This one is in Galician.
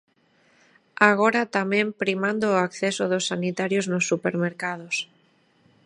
Agora tamén primando o acceso dos sanitarios nos supermercados.